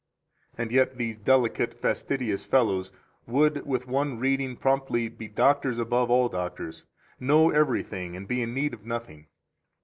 And yet these delicate, fastidious fellows would with one reading promptly be doctors above all doctors, know everything and be in need of nothing.